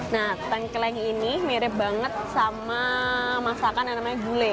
nah tengkleng ini mirip banget sama masakan yang namanya gulai